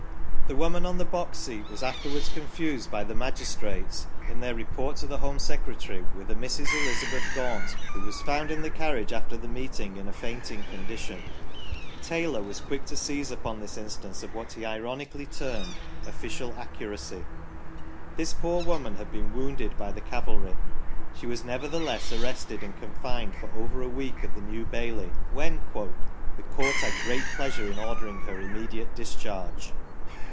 The woman on the box seat was afterwards confused by the magistrates, in their Report to the Home Secretary, with a Mrs. Elizabeth Gaunt, who was found in the carriage, after the meeting, in THE HUNT MEMORIAL IN THE VESTIBULE OF THE MANCHESTER REFORM CLUB THE SCENE AT THE OUTSET 25 a fainting condition. Taylor was quick to seize upon this instance of what he ironically termed " official accuracy ". This poor woman had been wounded by the cavalry. She was nevertheless arrested, and confined for over a week at the New Bailey, when " the Court had great pleasure in ordering her immediate discharge